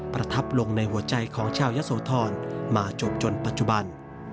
ประทับลงในหัวใจของชาวยะโสธรมาจวบจนปัจจุบัน